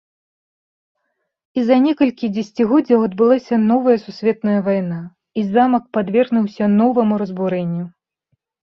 І за некалькі дзесяцігоддзяў адбылася новая сусветная вайна, і замак падвергнуўся новаму разбурэнню.